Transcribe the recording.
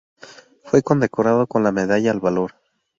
Fue condecorado con la medalla al valor.